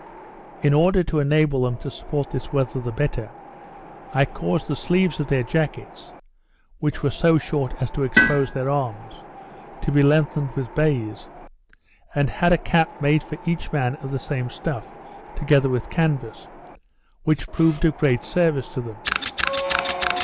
In order to enable them to support this weather the better, I caused the sleeves of their jackets (which were so short as to expose their arms) to be lengthened with baize; and had a cap made for each man of the same stuff, together with canvas; which proved of great service to them.